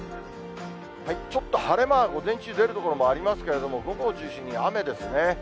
ちょっと晴れ間は午前中、出る所もありますけれども、午後を中心に雨ですね。